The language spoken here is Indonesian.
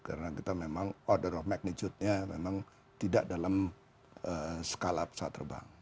karena kita memang order of magnitude nya memang tidak dalam skala pesawat terbang